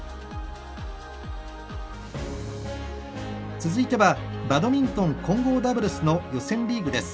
続いてはバドミントン混合ダブルスの予選リーグです。